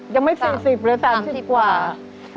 ยังไม่สี่สิบเลยสามสิบกว่า